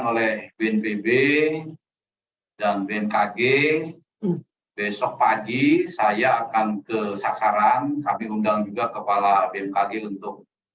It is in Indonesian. oleh bnpb dan bmkg besok pagi saya akan ke sasaran kami undang juga kepala bmkg untuk